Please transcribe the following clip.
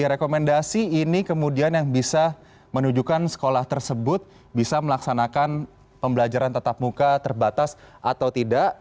rekomendasi ini kemudian yang bisa menunjukkan sekolah tersebut bisa melaksanakan pembelajaran tetap muka terbatas atau tidak